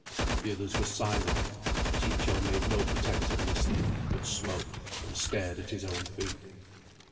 The others were silent. Ciccio made no pretence of listening, but smoked and stared at his own feet.